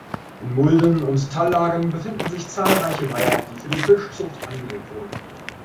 In Mulden- und Tallagen befinden sich zahlreiche Weiher, die für die Fischzucht angelegt wurden.